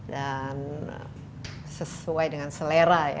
dan sesuai dengan selera